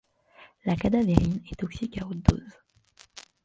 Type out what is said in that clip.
La cadavérine est toxique à haute dose.